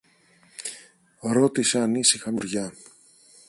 ρώτησε ανήσυχα μια βατομουριά.